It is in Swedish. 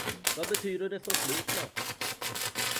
Vad betyder det förflutna?